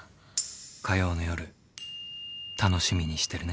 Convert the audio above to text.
「火曜の夜、楽しみにしてるね」。